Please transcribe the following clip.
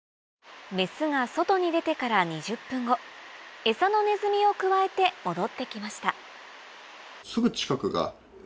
メスが外に出てから２０分後餌のネズミをくわえて戻ってきました